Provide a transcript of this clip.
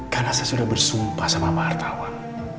karena saya sudah bersumpah sama pak hartawan